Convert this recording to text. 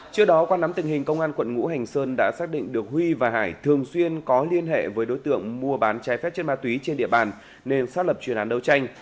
trước đó qua nắm tình hình công an quận ngũ hành sơn đã xác định được huy và hải thường xuyên có liên hệ với đối tượng mua bán trái phép trên ma túy trên địa bàn nên xác lập chuyên án đấu tranh